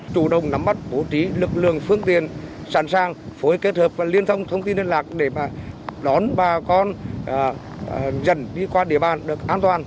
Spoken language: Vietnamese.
chủ động nắm mắt bố trí lực lượng phương tiện sẵn sàng phối kết hợp và liên thông thông tin liên lạc để đón bà con dần đi qua địa bàn được an toàn